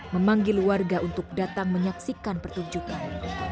memanggil warga untuk datang menyaksikan pertunjukan